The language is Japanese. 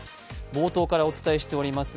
冒頭からお伝えしております